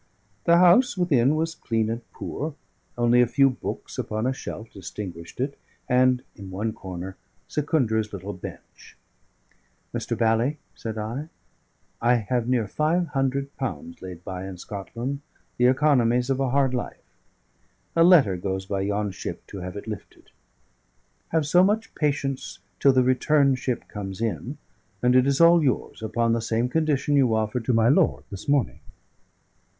The house within was clean and poor; only a few books upon a shelf distinguished it, and (in one corner) Secundra's little bench. "Mr. Bally," said I, "I have near five hundred pounds laid by in Scotland, the economies of a hard life. A letter goes by yon ship to have it lifted. Have so much patience till the return ship comes in, and it is all yours, upon the same condition you offered to my lord this morning."